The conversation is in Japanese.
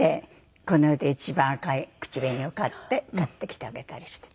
この世で一番赤い口紅を買って買ってきてあげたりして。